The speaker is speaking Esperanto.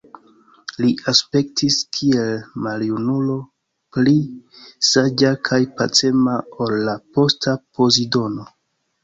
Li aspektis kiel maljunulo, pli saĝa kaj pacema ol la posta Pozidono.